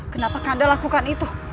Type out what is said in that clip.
kenapa kanda lakukan itu